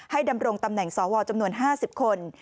ดำรงตำแหน่งสวจำนวน๕๐คน